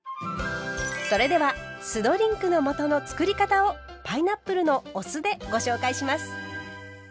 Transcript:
それでは酢ドリンクの素のつくり方をパイナップルのお酢でご紹介します。